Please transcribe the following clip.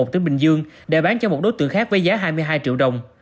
tỉnh bình dương để bán cho một đối tượng khác với giá hai mươi hai triệu đồng